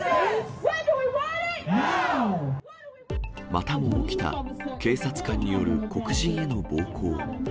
またも起きた警察官による黒人への暴行。